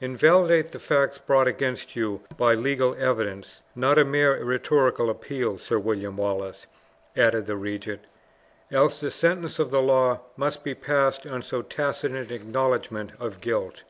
"Invalidate the facts brought against you by legal evidence, not a mere rhetorical appeal, Sir William Wallace," added the regent, "else the sentence of the law must be passed on so tacit an acknowledgment of guilt."